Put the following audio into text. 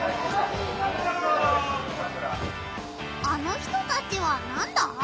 あの人たちはなんだ？